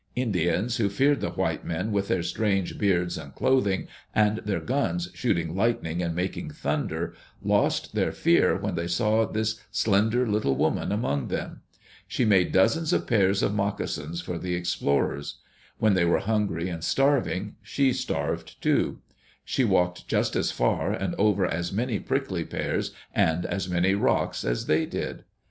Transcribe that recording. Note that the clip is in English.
Indians who feared the white men, with their strange beards and clothing, and their guns shooting lightning and making thunder, lost their fear when they saw this slender little woman among them. She made dozens of pairs of moccasins for the explorers. When they were hungry and starving, she starved too. She walked just as far, and over as many prickly pears and as many rocks, as they did.